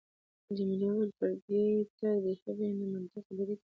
جميلې وويل: فرګي، ته بیخي بې منطقه خبرې کوي.